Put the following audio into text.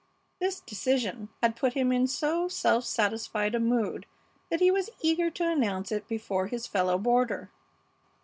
This decision had put him in so self satisfied a mood that he was eager to announce it before his fellow boarder.